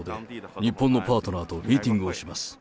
日本のパートナーとミーティングをします。